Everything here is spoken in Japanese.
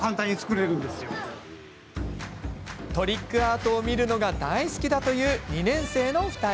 トリックアートを見るのが大好きだという２年生の２人。